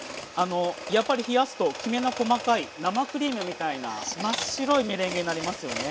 やっぱり冷やすときめの細かい生クリームみたいな真っ白いメレンゲになりますよね。